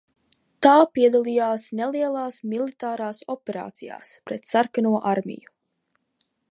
Tā piedalījās nelielās militārās operācijās pret Sarkano armiju.